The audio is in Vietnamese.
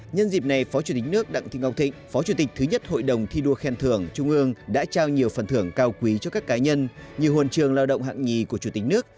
nhân dịp này phó chủ tịch nước đặng thị ngọc thịnh phó chủ tịch thứ nhất hội đồng thi đua khen thưởng trung ương đã trao nhiều phần thưởng cao quý cho các cá nhân như hôn trường lao động hạng nhì của chủ tịch nước